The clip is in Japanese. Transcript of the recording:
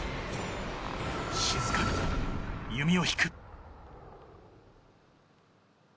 静かに弓を引く。